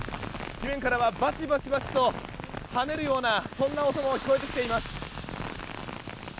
地面からはバチバチバチと跳ねるようなそんな音も聞こえてきています。